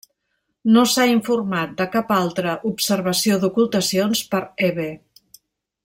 No s'ha informat de cap altra observació d'ocultacions per Hebe.